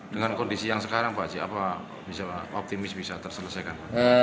dengan kondisi yang sekarang pak haji apa bisa optimis bisa terselesaikan